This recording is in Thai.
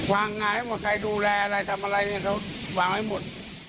วางงานให้หมดใครดูแลอะไรทำอะไรเนี่ยเขาวางไว้หมด